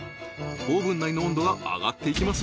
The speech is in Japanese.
オーブン内の温度が上がっていきます